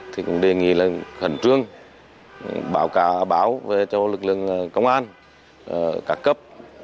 thì cũng đề nghị hẳn trương báo cả báo cho lực lượng công an các cấp